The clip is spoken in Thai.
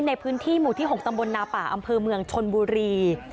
ในพื้นที่หมู่ที่๖ตำบลนาป่าอำเภอเมืองชนบุรี